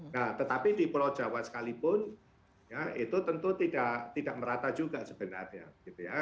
nah tetapi di pulau jawa sekalipun ya itu tentu tidak merata juga sebenarnya gitu ya